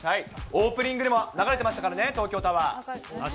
オープニングでも流れてましたからね、東京タワー。